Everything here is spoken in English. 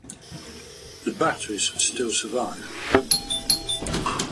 The batteries still survive.